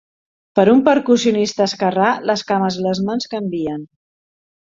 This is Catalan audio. Per un percussionista esquerrà, les cames i les mans canvien.